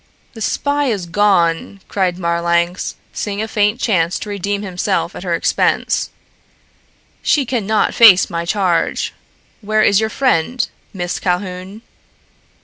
"The spy is gone," cried Marlanx, seeing a faint chance to redeem himself at her expense. "She can not face my charge. Where is your friend, Miss Calhoun?"